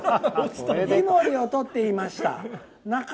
イモリをとっていました。